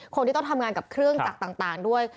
คนที่ต้องทำงานกับเครื่องจักรต่างด้วย